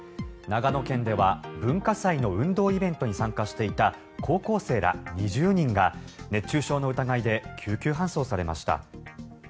長野県では、文化祭の運動イベントに参加していた高校生ら２０人が熱中症の疑いで救急搬送されました。